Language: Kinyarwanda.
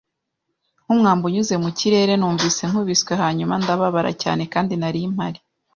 nk'umwambi unyuze mu kirere; Numvise nkubiswe hanyuma ndababara cyane, kandi nari mpari